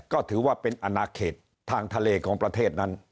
ก็ถือว่าเป็นอนาเขตทางทะเลของประเทศนั้น